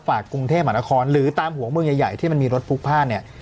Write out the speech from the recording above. กรุงเทพมหานครหรือตามหัวเมืองใหญ่ที่มันมีรถพลุกพลาดเนี่ย